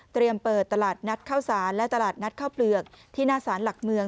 เปิดตลาดนัดข้าวสารและตลาดนัดข้าวเปลือกที่หน้าสารหลักเมือง